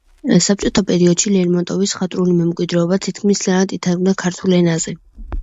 საბჭოთა პერიოდში ლერმონტოვის მხატვრული მემკვიდრეობა თითქმის მთლიანად ითარგმნა ქართულ ენაზე.